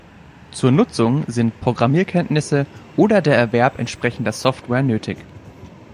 Zur Nutzung sind Programmierkenntnisse oder der Erwerb entsprechender Software nötig.